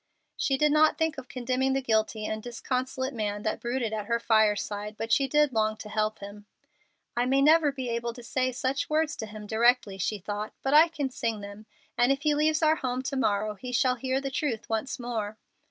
She did not think of condemning the guilty and disconsolate man that brooded at her fireside, but she did long to help him. "I may never be able to say such words to him directly," she thought, "but I can sing them, and if he leaves our home to morrow he shall hear the truth once more."